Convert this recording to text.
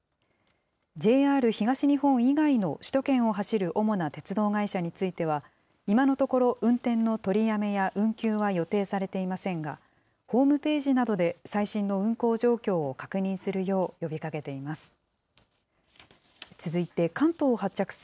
ＪＲ東日本以外の首都圏を走る主な鉄道会社については、今のところ運転の取りやめや運休は予定されていませんが、ホームページなどで最新の運行状況を確認するよう、呼びかけています。